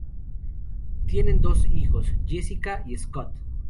Tienen dos hijos, Jessica y Scott.